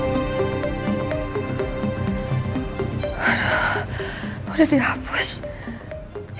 tapi dinu udah liat belum ya